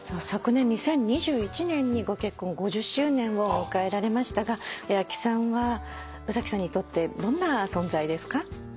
昨年２０２１年にご結婚５０周年を迎えられましたが阿木さんは宇崎さんにとってどんな存在ですか？